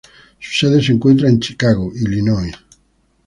Su sede se encuentra en Chicago, Illinois.